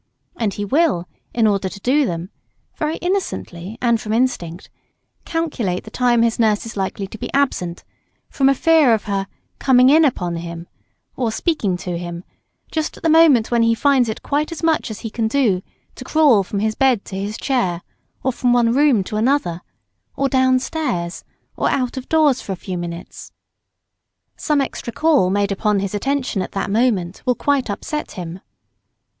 And he will, in order to do them, (very innocently and from instinct) calculate the time his nurse is likely to be absent, from a fear of her "coming in upon" him or speaking to him, just at the moment when he finds it quite as much as he can do to crawl from his bed to his chair, or from one room to another, or down stairs, or out of doors for a few minutes. Some extra call made upon his attention at that moment will quite upset him.